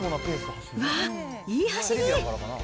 わー、いい走り。